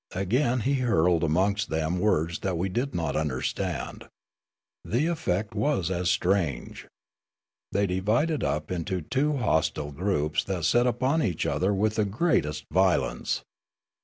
Again he hurled amongst them words that we did not under stand. The effect was as strange. They divided up into two hostile groups that set upon each other with the greatest violence.